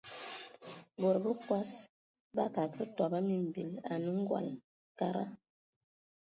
Bod bəkɔs bakad kə batɔbɔ a mimbil anə:ngɔl, kada.